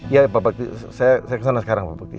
ya pak bakti saya ke sana sekarang pak bakti